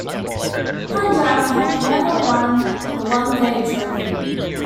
Punjab have never won the one-day trophy.